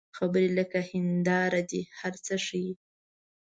خبرې لکه هنداره دي، هر څه ښيي